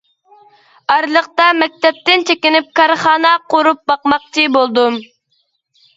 ئارىلىقتا مەكتەپتىن چېكىنىپ كارخانا قۇرۇپ باقماقچى بولدۇم.